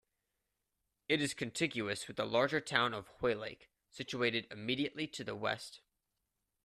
It is contiguous with the larger town of Hoylake, situated immediately to the west.